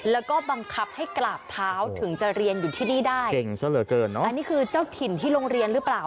แล้วก็บังคับให้กราบเท้าถึงจะเรียนอยู่ที่นี่ได้เก่งซะเหลือเกินเนอะอันนี้คือเจ้าถิ่นที่โรงเรียนหรือเปล่า